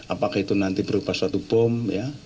apakah itu nanti berubah suatu bom ya